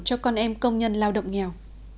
cho con em công nhân lao động nghèo